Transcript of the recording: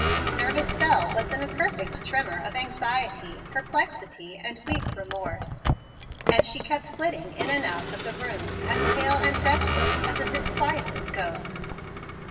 Nervous Bel was in a perfect tremor of anxiety, perplexity, and weak remorse; and she kept flitting in and out of the room as pale and restless as a disquieted ghost.